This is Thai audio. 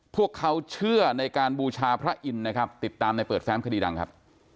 พวกเขาเชื่อในการบูชาพระอินทร์นะครับติดตามในเปิดแฟมคดีดังครับ